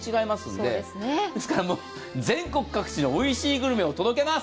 ですから全国各地のおいしいグルメを届けます。